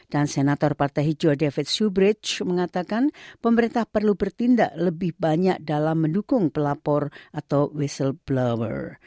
dan senator partai hijau david shoebridge mengatakan pemerintah perlu bertindak lebih banyak dalam mendukung pelapor atau whistleblower